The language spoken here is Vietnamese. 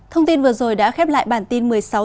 thông tin vừa rồi đã khép lại bản tin một mươi sáu h hôm nay